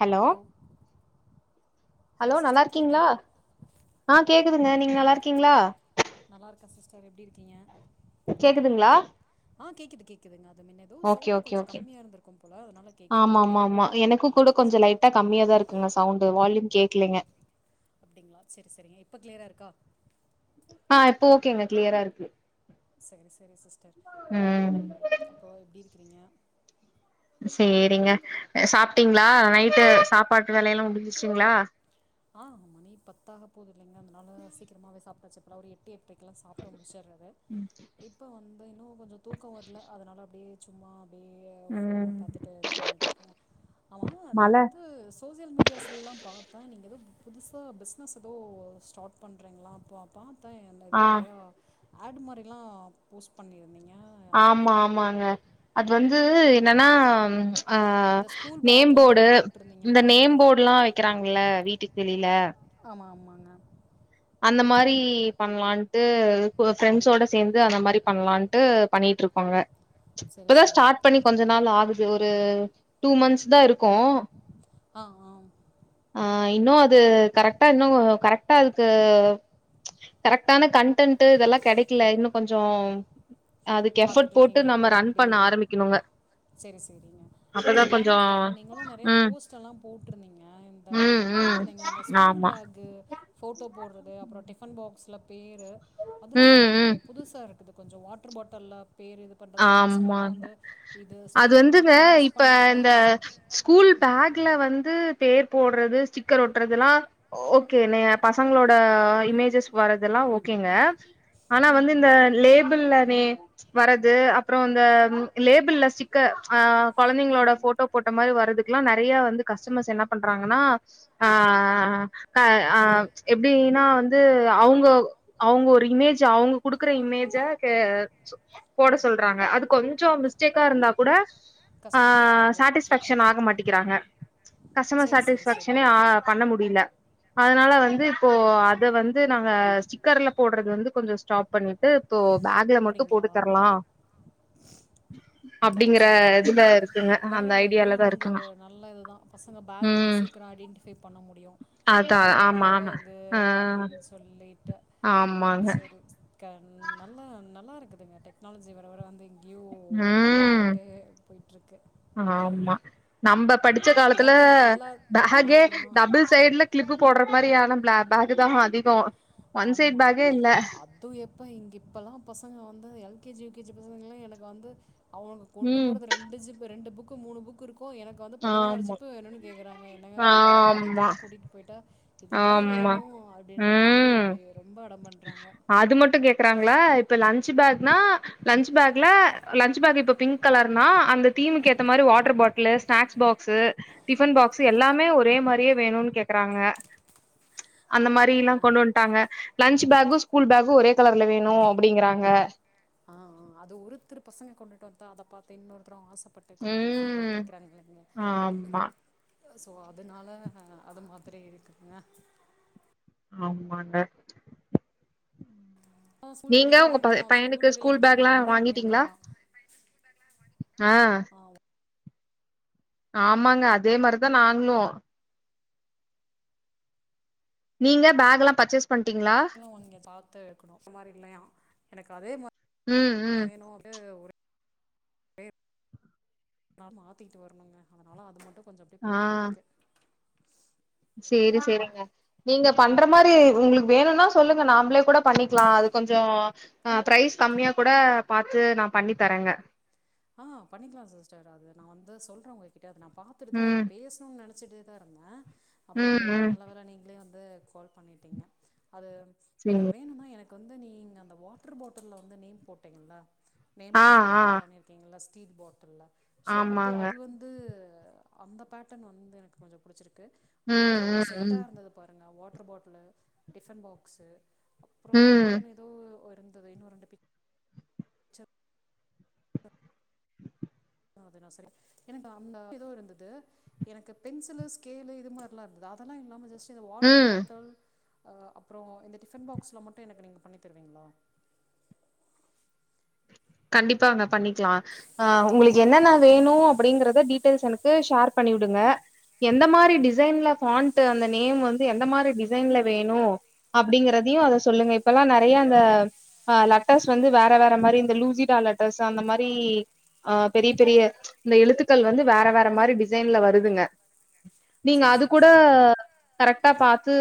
Hello hello sister நல்லாருக்கீங்களா கேட்குதுங்களா ஆ கேக்குதுங்க நீங்க நல்லாருக்கீங்ளா நல்லாருக்கேன் சிஸ்டர் எப்டி இருக்கீங்க கேக்குதுங்களா ஆ கேக்குது கேக் குதுங்க அது முன்ன ஏதோ ஓகே சவுண்டு ஓகே கொஞ்சம் ஓகே கம்மியா இருந்து இருக்கும் போல அதனால கேட்கல அப்புறோம் வால்யூம் பட்டன் இன்க்ரீஸ் பண்ணிட்டேன் கம்மியா தான் இருக்குங்க சவுண்ட் வால்யூம் கேட்கலீங்க அப்படிங்களா செரி செரிங்க இப்ப கிளியரா இருக்கா ஆ இப்ப ஓகேங்க க்ளியரா இருக்கு செரி சரி சிஸ்டர் ம் அப்றோ எப்டி இருக்கிறீங்க சேரிங்க சாப்டீங்களா நைட்டு சாப்பாட்டு வேலயெல்லா முடிஞ்சிச்சுங்களா ஆ மணி பத்தாக போது இல்லைங்க அதனால சீக்ரமாவே சாப்பிடாச்சு ஒரு எட்டு எ எட்றக்கெல்லாம் சாப்டு முடிச்சிறது இட் இப்போ வந்து இன்னும் கொஞ்சம் தூக்கம் வரல அதனால அப்டியே சும்மா அப்டியே யே ஃபோன் ம் பாத்துட்டு இது பண்ணிட்டு இருக்கே ஆமா நா மழ வந்து சோசியல் மீடியாஸ்லலாம் பாத்தா நீங்க எதோ புதுசா பிஸ்னஸ் எதோ ஸ்டார்ட் பண்றீங்ளா அப்போ பாத்தே என் இது ஆ நெறையா ஆட் மாரில்லா போஸ்ட் பண்ணிருந்தீங்க ஆமா ஆமாங்க அது வந்து என்னன்னா ஆ இந்த ஸ்கூல் நேம் பேக்லா போர்டு போட்ருந்தீங்க இந்த ஆ நேம் போர்ட்லா வக்கிறாங்ல வீட்டுக்கு வெளில ஆமா ஆமாங்க அந்த மாரி பண்லான் இது பிரெண்ட்ஸோட சேந்து அந்த மாரி பண்லான்டு பண்ணிட்ருக்கோங்க செரி இப்பதா செரிங்க ஸ்டார்ட் அப்போ பண்ணி கொஞ்ச நாள் ஆகுது ஒரு டூ மந்த்ஸ் தா இருக்கும் ஆ ஆ ஆ இன்னு அது இது கரெக்ட்டா இன்னு கரெக்ட்டா இது கரெக்ட்டான கன்டென்ட்டு இதெல்லா கெடைக்கல இன்னும் கொஞ்சௌ அதுக்கு எஃபர்ட் போட்டு நம்ம ரன் பண்ண ஆரம்பிக்கணுங்க செரி செரிங்க அப்பதா நானும் கொஞ்சோ பாத்தே நீங்களும் நெறைய ம் போஸ் ல்லா போட்ருந்தீங்க இந்த நீங்க ம் ம் போட்ருந்தீங்கள்ள அந்த ஸ்கூல் ஆமா பேக்கு போட்டோ போட்றது அப்றோ டிஃபன் பாக்ஸ்ல பேரு அதுலா ம் நல்லாருந்தது ம் புதுசா இருக் இப்ப கொஞ்சோ வாட்டர் பாட்டில்ல பேரு பண்றதெல்லா பசங்கள்லா ஆமா வந்து இது அது ஸ்டீல் வந்துங்க பாட்டில் யூஸ் இப்ப பண்ணா தா இந்த ஸ்கூல் பேக்ல வந்து பேர் போட்றது ஸ்டிக்கர் ஒட்றதெல்லா ஓகே நீங்க பசங்களோட இமேஜஸ் வரதெல்லா ஓகேங்க ஆனா ம் வந்து ம் இந்த லேபிள்ல நே வர து அப்றோ இந்த லேபிள்ல ஸ்டிக்கர் அ கொழந்தைங்களோட ம் போட்டோ போட்ட மாறி வரதுக்கெல்லா நெறைய வந்து கஸ்டமர்ஸ் என்ன பண்றாங்கன்னா ஆ ஹ அ எப்டின்னா வந்து அவங்க அவங்க ஒரு இமேஜ் அவங்க குடுக்குற இமேஜ க போட சொல்றாங்க அது கொஞ்சோ மிஸ்டேக்கா இருந்தா கூட ஆ கஷ்டமாக இருக்குது உங்களுக்கு சாட்டிஸ்பேக்ஷன் ஆக மாட்டிக்கிறாங்க கஸ்டமர் சரி சரி சாட்டிஸ்ஃபாக்ஷனே சரிங்க ஆ பண்ண முடியில அதுனால வந்து இப்போ அத வந்து நாங்க ஸ்டிக்கர்ல போடுறது வந்து கொஞ்சோ ஸ்டாப் பண்ணிட்டு இப்போ பேக்ல மட்டு போடு ஆ அப்டிங்கற சேரி சேரி இதுல இருக்குங்க அந்த பரவால்ல இதுவு ஐடியாலதா வந்து இருக்குங்க ஒரு நல்ல இதுதா பசங்க பேக் வந்து ம் சீக்ர ஆடிட் பைவ் பண்ண முடியு அதா யாரோட ஆமா ஆமா பேக்கு ஆ அப்டின் சொ சொல்லிட்ட ஆமாங்க சரி கன் நல்லா நல்லா இருக்குதுங்க டெக்னாலஜி வர வர வந்து எங்யோ டெவலப் ஆயிட்டு போயிட்ருக்கு ஆம்மா நம்ம படிச்ச காலத்துல இதான எல்லா ஆ பேக்கே ஆ டபுள்ஸ் சைடு்ல கிளிப்பு போடுற மாறியான பேக் தா அதிக ஒன் சைட் பேக்கே இல்ல து யப்ப இங் இப்பல்லா பசங்க வந்து L K G U K G பசங்கலா எனக்கு வந்து அவனுக் கொண்டு ம் போறது ரெண்டு ஜிப்பு ரெண்டு புக்கு மூணு புக்கு இருக்கு எனக்கு வந்து பதினாறு ஆமா ஜிப்பு வேணும்னு கேக்க்குறாங்க என்னங்க பண்ற ஆமா கடைக்கல்லா கூட்டிட் போயிட்டா இதுதா ஆமா வேணு அப்டின்ற மாரி ம் ரொம்ப அடம் பண்றாங்க அது மட்டு கேக்குறாங்களா இப்ப லன்ச்சு பேக்னா லன்ச் பேக்ல லன்ச்சு பேக் இப்ப பிங்க் கலர்னா அந்த தீமுக்கு ஏத்த மாறி வாட்டர் பாட்டில் லு ஸ்நாக்ஸ் பாக்ஸு டிபன் பாக்ஸ் எல்லாமே ஒரே மாறியே வேணுன் கேக்குறாங்க அந்த மாரில்லா ஆமாங்க. கொண்டு வன்ட்டாங்க லன்ச் பேக்கு ஸ்கூல் பேக்கு ஒரே கலர்ல வேணு அப்டிங்கறாங்க ஆ ஆ அது ஒருத்தர் பசங்க கொண்டுட்டு வந்தா அதை பாத்து இன்னொருத்தரும் ஆசை பட்டு கொண்டுட்டு வறாங்க ம் கேக்குறாங்களங்க ஆமா ஸோ அதனால அது மாதிரி இருக்குங்க ஆமாங்க ஸ்கூல் நீங்க உங்க படிக்கிறப்பலாம் பை எனக்குலாம் பையனுக்கு பேக், ஸ்கூல் லஞ்ச் பேக் பேக்ல்லா ஒண்ணே வாங்ட்டீங்களா ஒண்ணுதான். ஆ ஆமாங்க அதே மாறி தா நாங்ளு நீங்க பேக் எல்லா பர்ச்சஸ் பண்டீங்களா [unintelligible] அங்க பாத்து வைக்கணு அந்த மாறி இல்லையா எனக்கு அதே ம் ம். மாரி வேணுட்டு ஒரே பே நா மாத்திக்கிட்டு வரணுங்க அதனால அது மட்டு கொஞ்சோ அப்டியே ஆ பெண்டில இருக்கு சேரி சேரிங்க நீங்க பண்ற மாறி உங்களுக்கு வேணுனா சொல்லுங்க நாமளே கூட பண்ணிக்கலா அது கொஞ்சோ ஆ பிரைஸ் கம்மியா கூட பாத்து நா பண்ணி தரேங்க ஆ பண்ணிக்கலா சிஸ்டர் அது நா வந்து சொல்றே உங்ககிட்ட அத நா பாத்துட்டுதா அத ம் நா பேசணும்னு நெனச்சிட்டு [unintelligible] அப்றோ ம் கரெட்டா ம். நல்ல வேலை நீங்ளே வந்து கால் பண்ணிட்டீங்க அது எனக்கு சேரி. வேணும்னா எனக்கு வந்து நீங்க அந்த வாட்டர் பாட்டில்ல வந்து நேம் போட்டீங்கங்கள்ள நேம் ஆ போட்டு ஆ பண்ணியிருக்கீங்களா ஸ்டீல் பாட்டில்ல ஸோ அது ஆமாங்க. அது வந்து அந்த பேட்டர்ன் வந்து எனக்கு கொஞ்சம் புடிச்சிருக்கு அந்த ம் ஒரு ம் செட்டா ம். இருந்தது பாருங்க வாட்டர் பாட்டிலு டிஃபன் பாக்ஸ் அப்றம் ம் இன்னொன்னு ஏதோ ஒரு இருந்த வேனும் ரண்டுபிட் அது நான் செரி எனக்கு அந்த ஏதோ இருந்தது எனக்கு பென்சிலு ஸ்கேலு இது மாரிலாம் இருந்தது அதெல்லாம் இல்லாமல் ஜஸ்ட் இந்த வாட்டர் ம். பாட்டில் அப்றம் இந்த டிபன் பாக்ஸ்ல மட்டும் எனக்கு நீங்க பண்ணி தருவீங்களா கண்டிப்பாங்க பண்ணிக்கலாம் ஆ உங்களுக்கு என்னென்ன வேணும் அப்டிங்கிறத டீட்டெயில்ஸ் எனக்கு ஷேர் பண்ணி விடுங்க எந்த ஆ மாரி டிசைன்ல ஃபண்ட் அந்த நேம் வந்து எந்த மாதிரி டிசைன்ல வேணும் அப்டிங்கிறதையும் அதை சொல்லுங்க இப்ப எல்லாம் நிறைய அந்த ஆஹ் லட்டஸ் வந்து வேற வேற மாதிரி இந்த லூஸ் ஜிடா லட்டர்ஸ் அந்த மாரி ஆ பெரிய பெரிய இந்த எழுத்துக்கள் வந்து வேற வேற மாரி டிசைன்ல வருதுங்க நீங்க சரி அது சரி கூட சரிங்க கரெக்டா பாத்து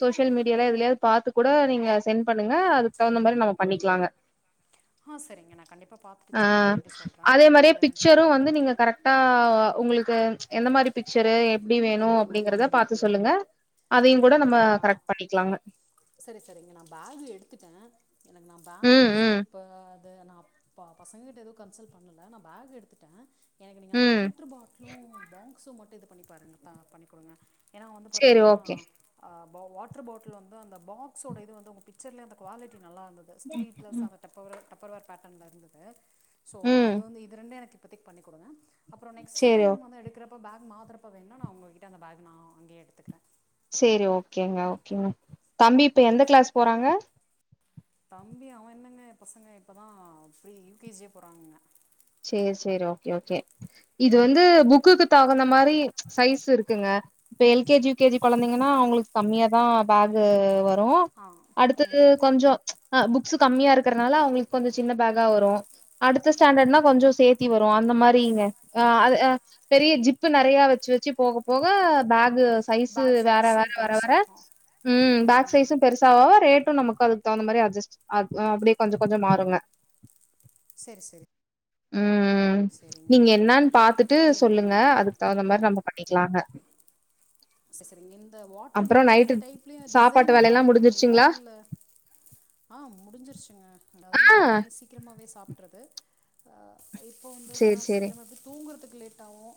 சோசியல் மீடியால எதுலயாவது பாத்து கூட நீங்க செட் பண்ணுங்க அது தகுந்த மாரி நம்ம பண்ணிக்கலாங்க ஆ சரிங்க நான் கண்டிப்பா ஆ அதே மாரியே பிச்சரும் வந்து நீங்க கரெக் டா உங்களுக்கு எந்த மாரி பிக்சரு எப்டி வேணும் அப்டிங்கிறத பாத்து சொல்லுங்க அதையும் கூட நம்ம கரெக்ட் பண்ணிக்கலாங்க செரி செரி இங்க நான் பேக் எடுத்துட்டேன் எனக்கு நான் பேகு ம் வந்து ம் இப்ப ஆ நான் பசங்க கிட்ட எதுவும் கன்சல் பண்ணல நான் பேக் எடுத்துட்டே எனக்கு நீங்க அந்த ம் வாட்ரு பாட்டிலும் பாக்ஸும் மட்டும் இது பண்ணி பாருங்கள் தா பண்ணி கொடுங்க ஏன்னா வந்து சேரி பாத்தீங்கன்னா ஓகே பா வாட்ரு பாட்டில் வந்து அந்த ப்ஸோட இது வந்து உங்க பிக்சர்லேயே அந்த குவாலிட்டி நல்லா இருந்தது ஸ்டீல் பிளஸ் ம் அந்த டப்பர்வேர் பேட்டன்ல இருந்தது சோ ம் அது வந்து இது ரெண்ட எனக்கு இப்போதக்கு பண்ணி குடுங்க அப்றம் நெக்ஸ்ட் சேரி ஓ டைம் வந்து எடுக்கிறப இப்போ பேக் மாத்துறப்ப வேணா நான் உங்ககிட்ட அந்த பேக் நான் அங்கயே எடுத்துக்கிறேன் செரி ஓகேங்க ஓகேங்க தம்பி இப்ப எந்த கிளாஸ் போறாங்க தம்பி அவ என்னங்க பசங்க இப்பதா அப்டி யூ கே ஜியே போறாங்க செரி செரி ஓகே ஓகே இது வந்து புக்குக்கு தகுந்த மாரி சைஸு இருக்குங்க இப்ப L K G U K G கொழந்தைங்கன்னா அவங்குளுக்கு கம்மியாதா பேகு வரோ ஆ ம் அடுத்தது ம். கொஞ்சோ ச்சு புக்ஸு கம்மியாக்கிறனால அவங்குளுக்கு கொஞ்சோ சின்ன பேகா வரோ அடுத்த ஸ்டாண்டர்ட்னா கொஞ்சோ சேத்தி வரோ அந்த மாரிங்க அ பெரிய ஜிப்பு நறையா வெச்சு வெச்சு போக போக பேகு சைஸு பேக் வேற வேற சைஸும் வர வர பெருசாகும் ம் பேக் சைஸும் பெரு சா ரேட்டும் நமக்கு அதுக்கு தகுந்த மாதிரி அட்ஸ்ட் அப்டியே கொஞ்சோ கொஞ்சோ மாறுங்க செரி செரி உம் உம் நீங்க என்னான்னு பாத்துட்டு சரிங்க சொல்லுங்க நீங்கள் அது அதுக்கு தகுந்த மாரி நம்ம பண்ணிக்கலாங்க நெஸசரிங்க இந்த வாட்ரு அப்புறம் பாட்டிலு நைட்டு இந்த டைப்லயு டிசைன் சாப்பாட்டு எதாவது வேலையெல்லாம் இருக்குதுங்களா முடிஞ்சிருச்சுங்களா? இல்ல ஆ முடிஞ்சிருச்சுங்க அதவாது ஆ நம்ம நேசி சீக்கிரமாவே சாப்டிறது இப்போ வந்து வேணா சேரி சேரி சீக்கிரமாவே தூங்குறதுக்கு லேட்டாவோ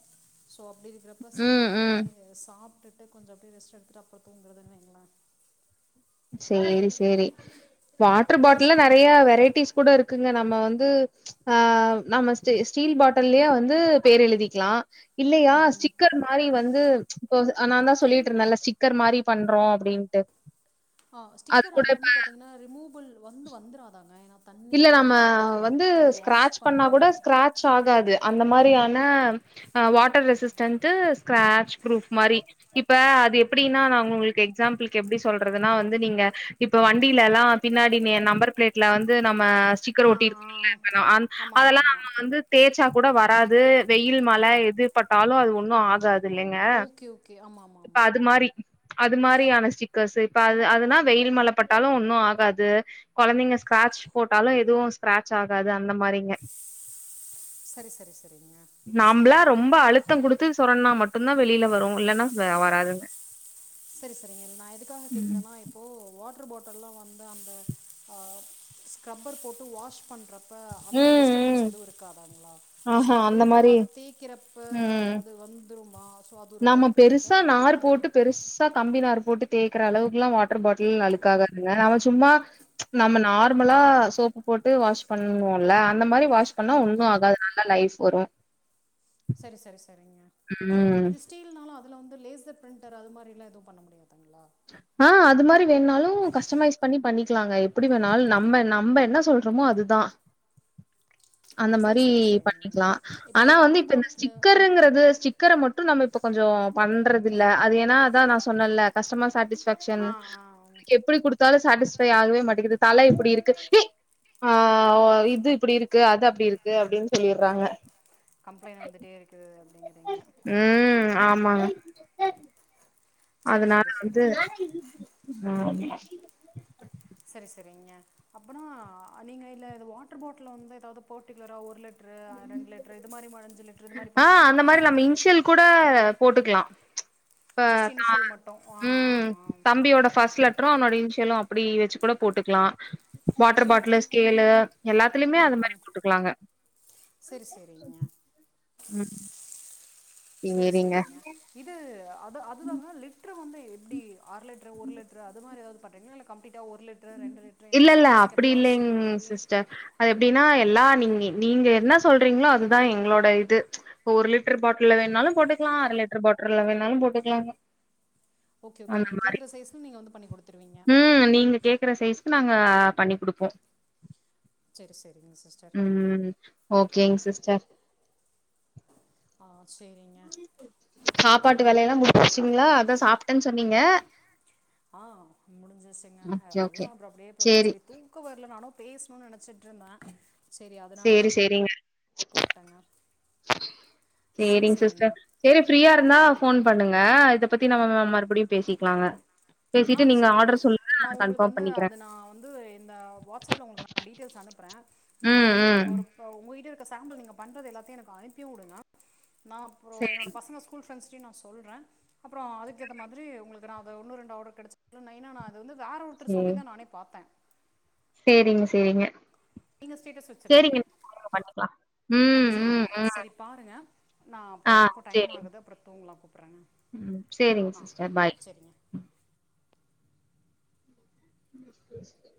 ஸோ அப்டி இருக்றப்ப ம் சீக்கிரமாகவே ம் சாப் விட்டுட்டு கொஞ்சோ அப்டி ரெஸ்ட் எடுத்துட்டு அப்புறோ தூங்கறதுனு வெய்ங்களே செரி செரி வாட்டர் பாட்டில்ல சரி நறையா வெரைட்டிஸ் கூட இருக்குங்க நம்ம வந்து ஆ நம்ம ஸ்டீ ஸ்டீல் பாட்டல்லயே வந்து பேர் எழுதிக்கலா இல்லியா ம் ம் ஸ்டிக்கர் ம மாரி வந்து இப்ப நா தா சொல்லிட்டு இருந்தேன்ல ஸ்டிக்கர் மாரி பண்றோ அப்டீன்ட்டு ஆ ஸ்டிக்கர் அது வந்து பாத்தீங்கன்னா ரிமூபல் வந்து வந்த்ராதாங்க ஏனா இல்ல நம்ம வந்து ஸ்க்ராட்சு பண்ணா கூட பண்ணுறங்க ஸ்கிராச் ஆகாது அந்த மாரியான அ வாட்டர் ரெசிஸ்டன்ட்டு ஸ்கிராட்சு ப்ரூஃப் மாரி இப்ப அது எப்டீன்னா நாங்க உங்குளுக்கு எக்ஸாம்பிளுக்கு எப்டி சொல்றதுன்னா வந்து நீங்க இப்ப வண்டியில எல்லா பின்னாடி நீ நம்பர் பிளேட்ல வந்து நம்ம சிக்கர் ஆ ஒட்டி ஆ இருக்கீங்கல எல்லாரோ அந் ஆமாம் ஆமாம் அதெல்லா ஆமாம் நம்ம வந்து தேய்ச்சா கூட வராது வெயில் மழை எது பட்டாலு அது ஒண்ணு ஆகாது ப்ரியுங்க ஓகே ஓகே ஆமாம் ஆமாம் இப்ப ஆமாம் அது மாரி அது மாரியான ஸ்டிக்கர்ஸு இப்ப அது அதுனா வெயில் மேல பட்டாலு ஒன்னும் ஆகாது கொழந்தைங்க ஸ்கிராட்சு போட்டாலு எதுவு ஸ்கிராட்சு ஆகாது அந்த மாரிங்க சரி சரி சரிங்க செரிங்க முத்தம் குடுத்து சொரன்ட்னா மட்டு தா வெளில வரோ இல்லன்னா வ வராதுங்க செரி செரிங்க நா எதுக்காக ம் கேக்குறன்னா இ ஓ வாட்ரு பாட்டல்லா வந்து அந்த அ ஸ்க்ரப்பர் போட்டு வாஷ் பண்ற ப்ப அந்த ம் டிஸ்ட்பன்ஸ் ம் எதுவு இருக்காதாங்களா ஸோ ஆஹா அப்டி அந்த இருக்குறப்ப மாரி அது தேய்க்கிறப்ப அது வந்து து மாவ் நம்ம பெருசா நார் போட்டு பெருஸ் தா கம்பி நார் போட்டு தேய்க்கற அளவுக்குலா வாட்டர் பாட்டில் அழுக்காதுங்க நம்ம சும்மா நம்ம நார்மலா சோப்பு போட்டு வாஷ் பண்ணுவோம்ல அந்த மாரி வாஷ் பண்ணா ம் ஒண்ணோ ம் ஆகாது நல்லா லைஃப் வரோ செரி செரி செரிங்க ம் ஸ்டீல்னாலோ அதுல வந்து லேசர் பிரிண்டர் அது மாரிலா எதுவு பண்ண முடியாதுங்களா ஆ அது மாதிரி வேணாலு கஸ்டமைஸ் பண்ணி பண்ணிக்கலாங்க எப்படி வேணாலு நம்ம நம்ம என்ன சொல்ற அப்றமு அதுதா அந்த சரி மாதிரி சரி சரிங்க பண்ணிக்கலாம இப்போ ஆனா வந்து வாட்டர் இப்ப இந்த பாட்டிலு ம் ஸ்டிக்கருங்கறது ஸ்டிக் க்கிற மட்டு நம்ம இப்ப கொஞ்சோ பண்றதில்ல அது ஏன்னா அதா நா சொன்னலே கஸ்டமர் சேட்டிஸ்பேக் ஷன் ஆ ஆ ம். எப்டி குடுத்தாலு சாட்டிஸ்பை ஆகவே மாட்டேங்கிது தல இப்டி இருக்கு ஆ ஓ இது இப்படி இருக்கு அது அப்படி இருக்கு அப்டின்னு சொல்லிடுறாங்க கம்ப்ளைண் வந்துட்டே இருக்கு அப்டிங்கிறீங்க ம் ஆமாங் சரி அதனால சரி வந்து சரிங்க ம் சரி சரிங்க அப்புனா நீங்க இல்ல இது வாட்டர் பாட்ல வந்து ஏதாது பர்ட்டிகுலராக ஒரு லெட் ஒரு ரெண்டு லிட்ரு இது மாரி மடிஞ்சு லிட்ரு இது மாரி பண்றீங்களா இல்ல இன்சில் கூட போட்டுக்கலா இப்ப ஜஸ்ட் தா இனிஷியல் மட்டும் ஆ ஆ ம் ஆ தம்பியோட ஃப்ஸ்ட் லெட் ட்ரோ அவ இன்சியலு அப்டி வச்சு கூட போட்டுக்கலா வாட்டர் பாட்லு ஸ்கேலு எல்லாத்துலயுமே அது மாரி போட்டுக்கலாங்க செரி செரிங்க ம் செரி சேரிங்க செரிங்க இது அது அதுதாங்க லிட்ரு வந்து எப்டி அர லிட்ரு ஒரு லிட்ரு அது மாரி எதாது பண்ணிறீங்களா இல்ல கம்பீளிட்டா ஒரு லிட் லிட்ரு ரெண்டு லிட்ரு ஏன்னா இல்ல இல்ல சைஸ் அப்டி இல்லைங் கெப்பாசிட்டி சிஸ்டர் அது எப்டின்னா எல்லா நீங்க நீங்க என்ன சொல்றீங்களோ அதுதா எங்களோட இது ஒரு லிட்ரு பாட்ல வேணாலு போட்டுக்கலா அர லிட்ரு பாட்டில்ல வேணாலு போட்டுக்கலா ஓகே ஓகே நாங்க கேக்குற சைஸ்க்கு நீங்க வந்து பண்ணி கொடுங் ம் நீங்க கேக்குற சைஸ்க்கு நாங்க பண்ணி குடுப்போ செரி செரிங்க சிஸ்டர் ம் ஓகேங் சிஸ்டர் ஓ சேரிங்க சாப்பாட்டு வேலையல்லா முடிஞ்சிடுச்சிங்களா அதா சாப்ட்டன் சொன்னீங்க ஆ முடிஞ்சிருச்சுங்க ஓகே அதுதா ஓகே அப்ரோ சேரி அப்டியே [unintelligible] க்கோ வரல நானு பேசணுன்னு நெனச்சிட்டு இருந்தே செரி அதனாலதா சேரி சேரிங்க கூப்ட்டேங்க சேரிங் சிஸ்டர் சேரி ஃப்ரீயா இருந்தா போன் பண்ணுங்க இத பத்தி நம்ம மறுபடியு பேசிக்கலாங்க ஆ பேசிட்டு நீங்க சேரிங்க ஆர்டர் சொல்லுங்க நா உங்களுக்கு கன்ஃபார்ம் வந்து பண்ணிக்கிறே அது நா வந்து இந்த வாட்ஸ் அப் ல உங்களுக்கு நா டீடெய்ல்ஸ் அனுபரே நீங்க ம் வந்து ம் எனக்கு ஒரு ப்ப உங்க வீட்லருக்க சேம்பெள் நீங்க பண்றது எல்லாத்தையு எனக்கு அனுப்பிவிடுங்க நா அப்ரோ சேரி என்னோட பசங்க ஸ் ஸ்கூல் ஃப்ரண்ட்ஸ்டையு நா சொல்றே அப்பரோ அதுக்க ஏத்த மாரி உங்களுக்கு நா அத ஒன்னு ரெண்டு ஓட கெடைச்ச [unintelligible] நா வந்து வேற ஒருத்தர் சேரி சொல்லிதா நானே பாத்தெ சேரிங்க சேரிங்க நீங்க ஸ்டேட்டஸ் வச்சுிருந்தீங்க சேரிங்க பண்ணிக்கலா ஆ ம் செரிங்க ம் ம் சரி பாருங்க நா அப்ரோ ஆ எனக்கு டைம் சேரிங்க ஆகுது அப்ரோ தூங்கலா கூப்டறேங்க ம் சேரிங்க ஆ சிஸ்டர் பாய் சரிங்க [inaudible]